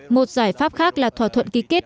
một giải pháp khác là thỏa thuận ký kết